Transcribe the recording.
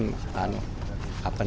sudah dibicarakan dengan presiden